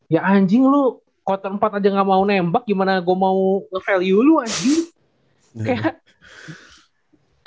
ya anjing lu kalau tempat aja gak mau nembak gimana gue mau value lu anjing